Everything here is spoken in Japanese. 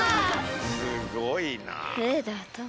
すごいな。